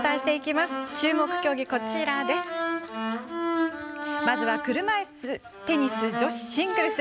まず車いすテニス女子シングルス。